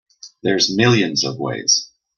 There's millions of ways.